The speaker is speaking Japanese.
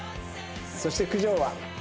そして九条は。